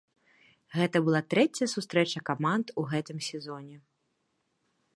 Гэта была трэцяя сустрэча каманд у гэтым сезоне.